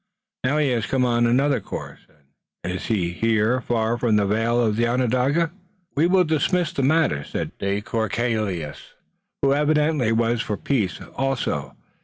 Now he has come on another course, and is here far from the vale of Onondaga." "We will dismiss the matter," said de Courcelles, who evidently was for peace also.